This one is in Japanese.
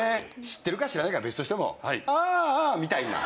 知ってるか知らないかは別としても「ああ！」みたいな。